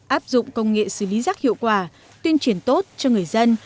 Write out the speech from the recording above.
áp dụng công nghệ xử lý giác hiệu quả tuyên triển tốt cho người dân